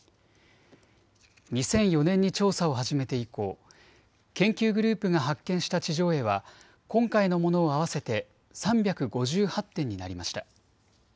２００４年に調査を始めて以降、研究グループが発見した地上絵は今回のものを合わせて３５８点になりました。